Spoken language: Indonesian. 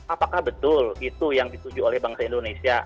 apakah betul itu yang dituju oleh bangsa indonesia